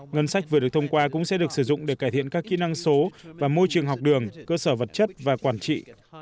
ngân sách vừa được thông qua cũng sẽ được sử dụng để cải thiện các kỹ năng số và môi trường học đường cơ sở vật chất và quản trị